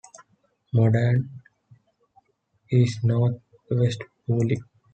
Morden is north west of Poole.